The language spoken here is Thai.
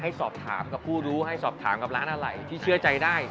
สอบถามกับผู้รู้ให้สอบถามกับร้านอะไรที่เชื่อใจได้